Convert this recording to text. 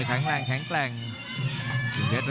ยังไงยังไง